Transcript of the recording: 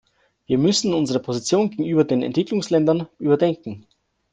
Wir müssen unsere Position gegenüber den Entwicklungsländern überdenken.